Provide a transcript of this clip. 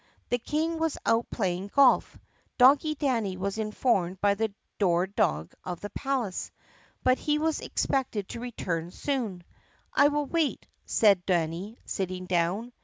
The King was out playing golf, Doggie Danny was informed by the door dog of the palace, but he was expected to return soon. "I will wait," said Danny sitting down.